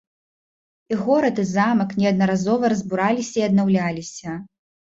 І горад, і замак неаднаразова разбураліся і аднаўляліся.